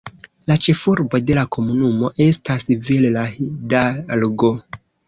La ĉefurbo de la komunumo estas Villa Hidalgo.